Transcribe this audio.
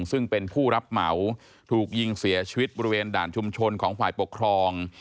ซึ่งเป็นผู้รับเหมาถูกยิงเสียชีวิตบริเวณด่านชุมชนของฝ่ายปกครอง